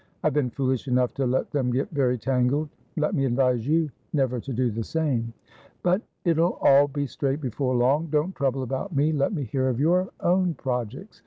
"I've been foolish enough to let them get very tangled; let me advise you never to do the same. But it'll all be straight before long. Don't trouble about me; let me hear of your own projects.